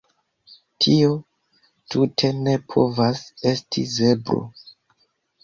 Tio tute ne povas esti zebro